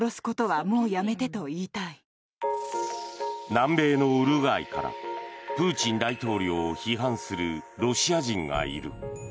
南米のウルグアイからプーチン大統領を批判するロシア人がいる。